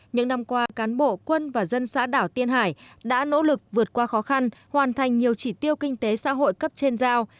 những năm qua cán bộ quân và dân xã đảo tiên hải đã nỗ lực vượt qua khó khăn hoàn thành nhiều chỉ tiêu kinh tế xã hội cấp trên giao